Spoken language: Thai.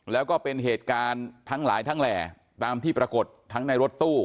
แล้วก็เป็นเหตุการณ์ทั้งหลายทั้งแหล่ตามที่ปรากฏทั้งในรถตู้